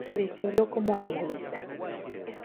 Se distinguió como animalista.